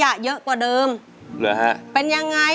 สวัสดีครับคุณหน่อย